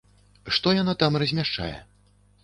Што яна там размяшчае?